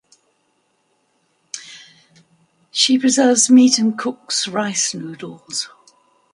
She preserves meat and cooks rice noodles.